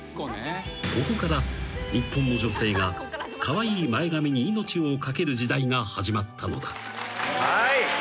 ［ここから日本の女性がカワイイ前髪に命を懸ける時代が始まったのだ］